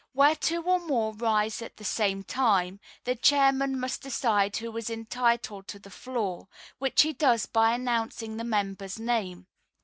Where two or more rise at the same time the Chairman must decide who is entitled to the floor, which he does by announcing that member's name.